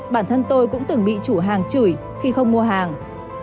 bản thân tôi cũng từng bị chủ hàng chửi khi không mua hàng